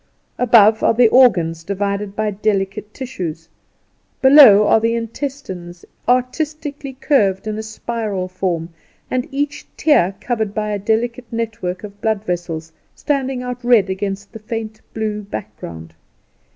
Above are the organs divided by delicate tissues; below are the intestines artistically curved in a spiral form, and each tier covered by a delicate network of blood vessels standing out red against the faint blue background.